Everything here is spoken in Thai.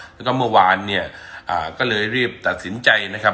แล้วก็เมื่อวานเนี่ยก็เลยรีบตัดสินใจนะครับ